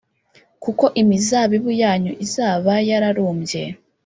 kuko imizabibu yanyu izaba yararumbye,